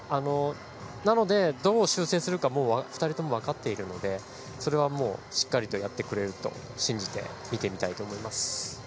なので、どう修正するか２人とも分かっているのでそれはしっかりやってくれると信じてみてみたいと思います。